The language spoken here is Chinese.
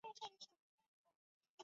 听起来真得很过瘾呢